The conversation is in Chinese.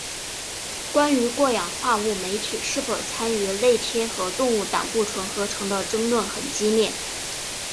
关于过氧化物酶体是否参与类萜和动物胆固醇合成的争论很激烈。